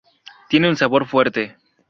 Tiene un sabor fuerte.